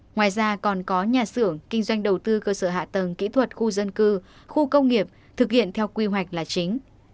ngoài ra còn có nhà xưởng kinh doanh đầu tư cơ sở hạ tầng kỹ thuật khu dân cư khu công nghiệp thực hiện theo quy hoạch là chính